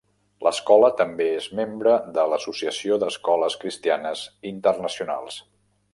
L'escola també és membre de l'Associació d'Escoles Cristianes Internacionals.